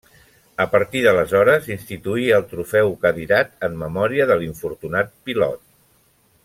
A partir d'aleshores s'instituí el Trofeu Cadirat, en memòria de l'infortunat pilot.